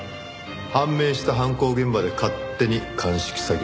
判明した犯行現場で勝手に鑑識作業。